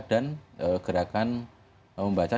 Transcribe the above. dan gerakan membaca